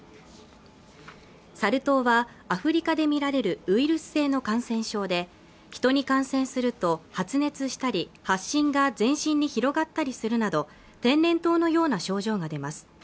サル痘はアフリカで見られるウイルス性の感染症でヒトに感染すると発熱したり発疹が全身に広がったりするなど天然痘のような症状が出ます